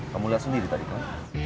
kamu lihat sendiri tadi kan